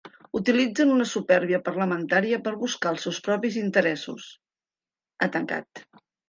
“Utilitzen una supèrbia parlamentària per buscar els seus propis interessos”, ha tancat.